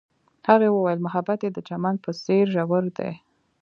هغې وویل محبت یې د چمن په څېر ژور دی.